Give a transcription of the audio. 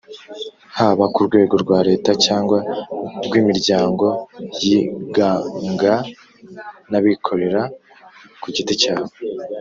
(haba ku rwego rwa leta cyangwa rw'imiryango yiganga n'abikorera ku giti cyabo),